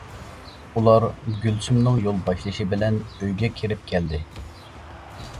ئۇلار گۈلسۈمنىڭ يول باشلىشى بىلەن ئۆيگە كىرىپ كەلدى.